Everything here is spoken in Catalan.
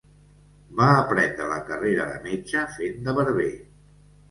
Va aprendre la carrera de metge fent de barber.